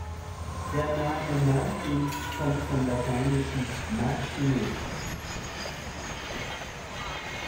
Der Name Martin kommt vom lateinischen "Martinus".